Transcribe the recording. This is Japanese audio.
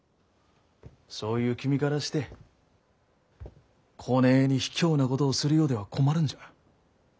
そういう君からしてこねえに卑怯なことをするようでは困るんじゃ。